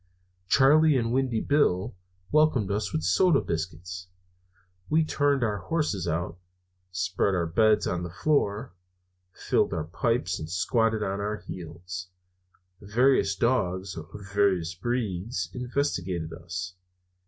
Charley and Windy Bill welcomed us with soda biscuits. We turned our horses out, spread our beds on the floor, filled our pipes, and squatted on our heels. Various dogs of various breeds investigated us.